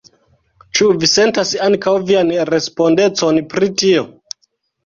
Ĉu vi sentas ankaŭ vian respondecon pri tio?